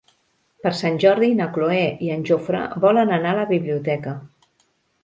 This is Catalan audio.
Per Sant Jordi na Cloè i en Jofre volen anar a la biblioteca.